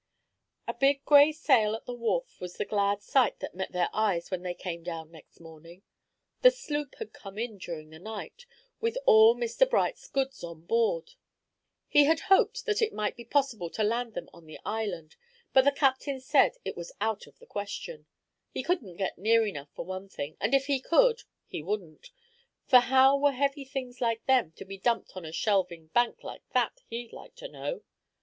A big gray sail at the wharf was the glad sight that met their eyes when they came down next morning. The sloop had come in during the night, with all Mr. Bright's goods on board. He had hoped that it might be possible to land them on the island, but the captain said it was out of the question; he couldn't get near enough, for one thing, and if he could, he wouldn't; for how were heavy things like them to be dumped on a shelvin' bank like that, he'd like to know?